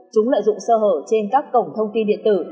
chúng lợi dụng sơ hở trên các cổng thông tin điện tử